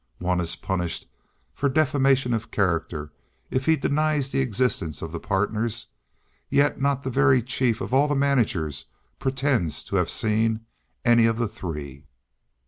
One is punished for defamation of character if he denies the existence of the partners, yet not the very chief of all the managers pretends to have seen any of the three!